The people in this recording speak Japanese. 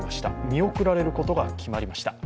見送られることが決まりました。